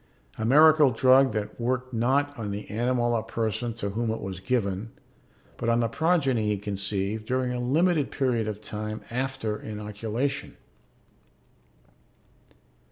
A miracle drug that worked not on the animal or person to whom it was given, but on the progeny he conceived during a limited period of time after inoculation.